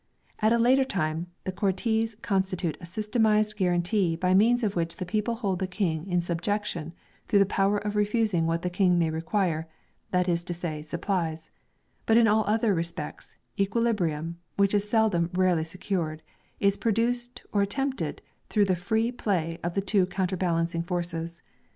At a later time, the Cortes con stitute a systematized guarantee by means of which the people hold the King in subjection through the power of refusing what the King may require, that is to say supplies ; but in all other respects, equili brium which was seldom really secured is pro duced or attempted through the free play of the two counterbalancing forces.